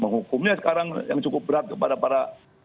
menghukumnya sekarang yang cukup berat kepada para